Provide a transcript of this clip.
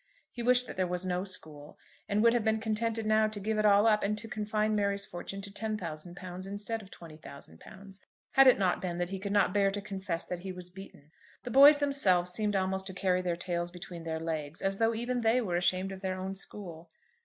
He wished that there was no school, and would have been contented now to give it all up, and to confine Mary's fortune to £10,000 instead of £20,000, had it not been that he could not bear to confess that he was beaten. The boys themselves seemed almost to carry their tails between their legs, as though even they were ashamed of their own school.